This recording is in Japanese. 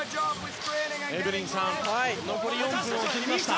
エブリンさん残り４分を切りました。